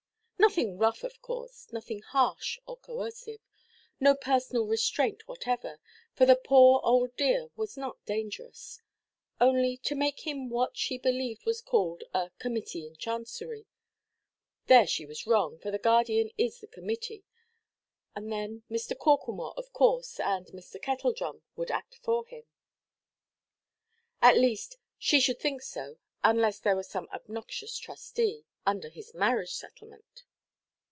Nothing rough, of course; nothing harsh or coercive. No personal restraint whatever, for the poor old dear was not dangerous; only to make him what she believed was called a "Committee in Chancery"—there she was wrong, for the guardian is the Committee—and then Mr. Corklemore, of course, and Mr. Kettledrum would act for him. At least she should think so, unless there was some obnoxious trustee, under his marriage–settlement.